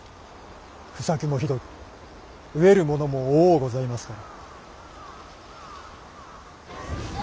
不作もひどく飢えるものも多うございますから。